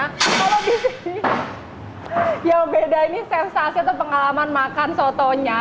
kalau di sini yang beda ini sensasi atau pengalaman makan sotonya